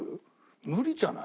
無理じゃない？